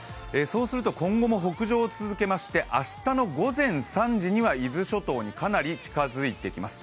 今後も北上を続けまして明日の午前３時には伊豆諸島にかなり近づいてきます。